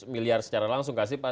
dua ratus miliar secara langsung